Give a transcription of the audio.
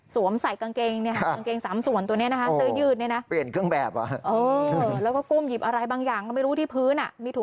สวมใส่กางเกง๓ส่วนตัวนี้เสื้อยืด